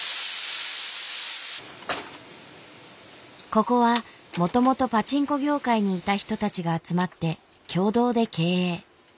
ここはもともとパチンコ業界にいた人たちが集まって共同で経営。